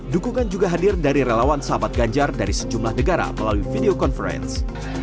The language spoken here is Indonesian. dukungan juga hadir dari relawan sahabat ganjar dari sejumlah negara melalui video conference